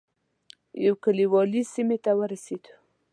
یو کلیوالي سیمې ته ورسېدو.